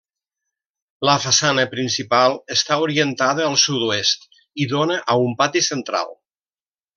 La façana principal està orientada al sud-oest i dóna a un pati central.